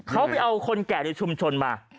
เขาไปเอาคนแก่ในชุมชนมา